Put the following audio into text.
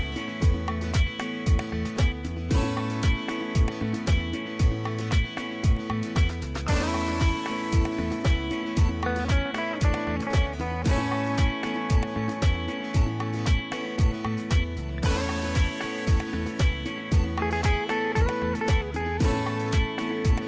สวัสดีครับ